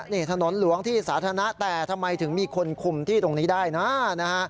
นี่ถนนหลวงที่สาธารณะแต่ทำไมถึงมีคนคุมที่ตรงนี้ได้นะนะฮะ